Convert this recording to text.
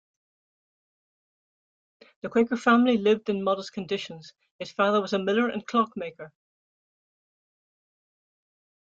The Quaker family lived in modest conditions; his father was a miller and clockmaker.